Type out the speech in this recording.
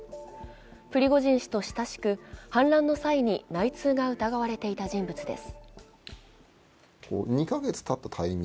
プリゴジン氏と親しく反乱の際に内通が疑われていた人物です。